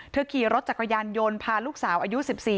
ขี่รถจักรยานยนต์พาลูกสาวอายุ๑๔